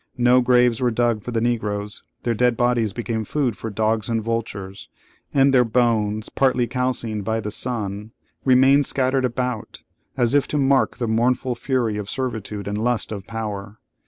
No graves were dug for the Negroes; their dead bodies became food for dogs and vultures, and their bones, partly calcined by the sun, remained scattered about, as if to mark the mournful fury of servitude and lust of power.